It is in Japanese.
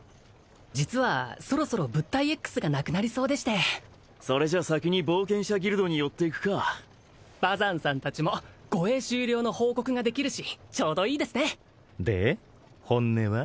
実はそろそろ物体Ｘがなくなりそうでしてそれじゃ先に冒険者ギルドに寄っていくかバザンさん達も護衛終了の報告ができるしちょうどいいですねで本音は？